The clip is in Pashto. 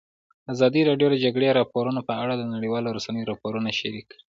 ازادي راډیو د د جګړې راپورونه په اړه د نړیوالو رسنیو راپورونه شریک کړي.